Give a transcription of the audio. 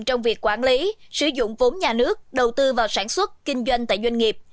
trong việc quản lý sử dụng vốn nhà nước đầu tư vào sản xuất kinh doanh tại doanh nghiệp